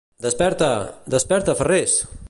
Desperta!!, Desperta Ferres!!